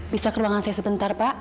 bisa keruangan saya sebentar pak